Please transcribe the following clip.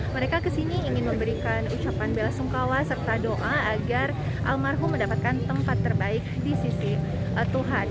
mereka kesini ingin memberikan ucapan bela sungkawa serta doa agar almarhum mendapatkan tempat terbaik di sisi tuhan